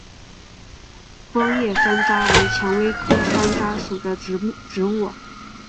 光叶山楂为蔷薇科山楂属的植物。